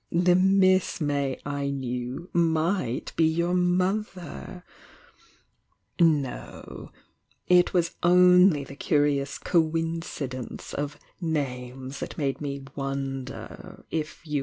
The MiM May I knew might be your mother! No, it was only Uie Surcoincidence of names that made me wonder " i^^er.